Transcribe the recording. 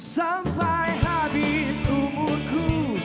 sampai habis umurku